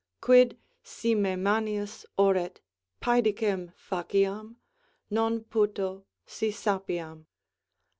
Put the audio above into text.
quid, si me Manius oret Podicem, faciam? Non puto, si sapiam.